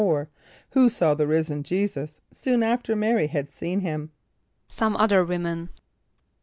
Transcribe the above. = Who saw the risen J[=e]´[s+]us soon after M[=a]´r[)y] had seen him? =Some other women.